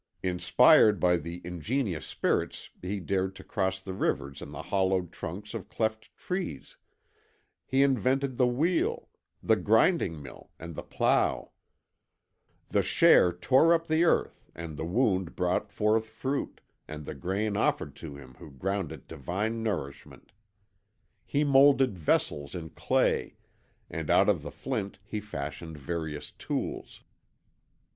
Inspired by the ingenious spirits he dared to cross the rivers in the hollowed trunks of cleft trees, he invented the wheel, the grinding mill, and the plough; the share tore up the earth and the wound brought forth fruit, and the grain offered to him who ground it divine nourishment. He moulded vessels in clay, and out of the flint he fashioned various tools.